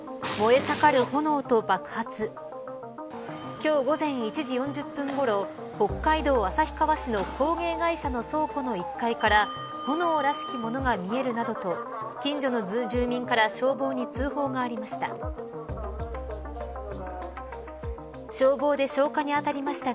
今日、午前１時４０分ごろ北海道旭川市の工芸会社の倉庫の１階から炎らしきものが見えるなどと近所の住民から消防に通報がありました。